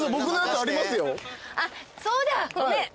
あっそうだごめん。